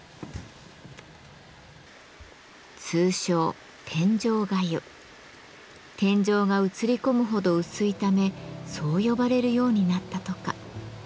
通称天井が映り込むほど薄いためそう呼ばれるようになったとか。